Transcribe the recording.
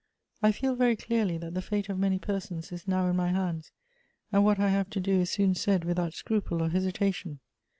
I feel very clearly that the fate of many persons is now in my hands, and what I have to do is soon said without scruple or hesitation.